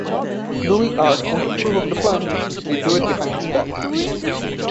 Knowing Art won't approve of the plan, they do it behind his back.